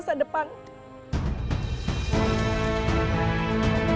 saya combo dengan mulia